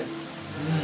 うん。